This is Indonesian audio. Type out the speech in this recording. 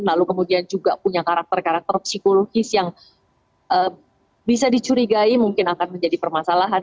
lalu kemudian juga punya karakter karakter psikologis yang bisa dicurigai mungkin akan menjadi permasalahan